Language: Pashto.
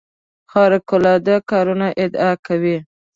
خارق العاده کارونو ادعا کوي.